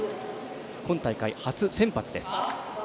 今大会、初先発です。